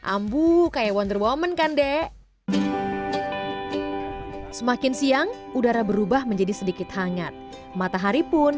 ambu kayak wonder woman kan dek semakin siang udara berubah menjadi sedikit hangat matahari pun